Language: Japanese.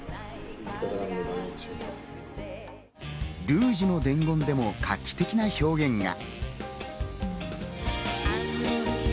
『ルージュの伝言』でも画期的な表現が。